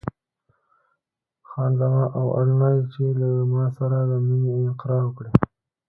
خان زمان: او اړ نه یې چې له ما سره د مینې اقرار وکړې.